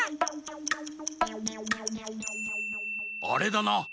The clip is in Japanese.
あれだな。